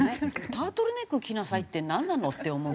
タートルネックを着なさいってなんなの？って思う。